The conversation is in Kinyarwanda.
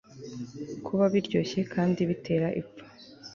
kuba biryoshye kandi bitera ipfa